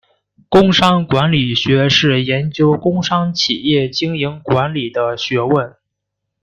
工商管理学是研究工商企业经营管理的学问。